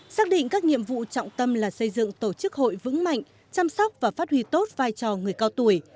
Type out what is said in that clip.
xác định các nhiệm vụ trọng tâm là xây dựng tổ chức hội vững mạnh chăm sóc và phát huy tốt vai trò người cao tuổi